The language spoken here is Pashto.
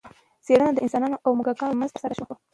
څېړنه د انسانانو او موږکانو ترمنځ ترسره شوه.